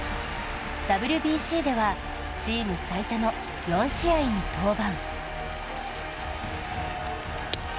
ＷＢＣではチーム最多の４試合に登板。